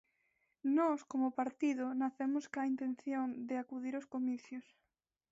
Nós como partido nacemos coa intención de acudir aos comicios.